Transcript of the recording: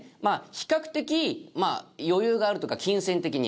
比較的余裕があるとか金銭的に。